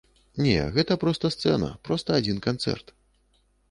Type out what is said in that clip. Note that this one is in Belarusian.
Не, гэта проста сцэна, проста адзін канцэрт.